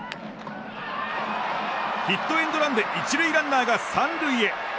ヒットエンドランで１塁ランナーが３塁へ。